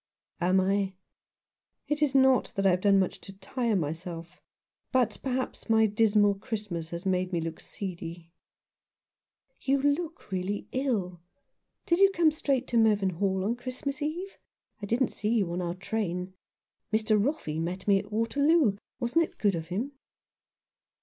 " Am I ? It is not that I have done much to tire myself; but perhaps my dismal Christmas has made me look seedy." " You look really ill. Did you come straight to Mervynhall on Christmas Eve ? I didn't see you in our train. Mr. Roffey met me at Waterloo. Wasn't it good of him